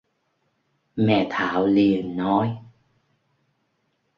Mẹ Thảo liền nói